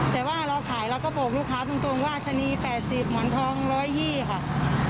แต่ว่าเราขายเราก็บอกลูกค้าตรงว่าชะนี๘๐เหมือนทอง๑๒๐ค่ะ